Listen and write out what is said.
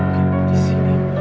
kau cukup taruh